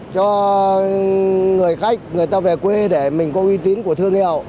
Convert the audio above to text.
cho người khách người ta về quê để mình có uy tín của thương hiệu